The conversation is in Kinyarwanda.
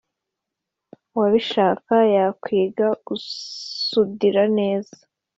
uwabishaka yakwiga gusudira neza.